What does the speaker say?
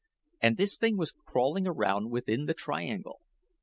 And this thing was crawling around within the triangle.